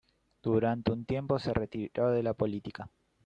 Durante un tiempo se retiró de la política.